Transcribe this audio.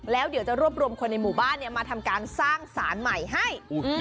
แล้วเดี๋ยวจะรวบรวมคนในหมู่บ้านมาทำการสร้างสารใหม่ให้